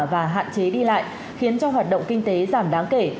và hạn chế đi lại khiến cho hoạt động kinh tế giảm đáng kể